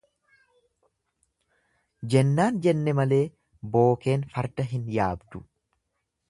Jennaan jenne malee bookeen farda hin yaabdu.